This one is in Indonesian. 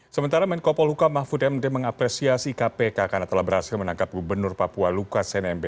sementara menkopo luka mahfud md mengapresiasi kpk karena telah berhasil menangkap gubernur papua luka cnmb